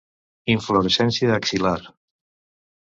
Inflorescència axil·lar.